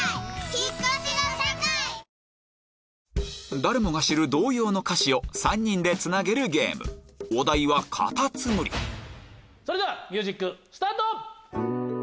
誰もが知る童謡の歌詞を３人でつなげるゲームお題は『かたつむり』それではミュージックスタート！